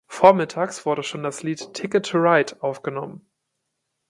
Vormittags wurde schon das Lied "Ticket to Ride" aufgenommen.